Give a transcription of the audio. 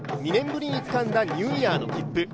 ２年ぶりにつかんだニューイヤーの切符。